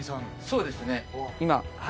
そうですね。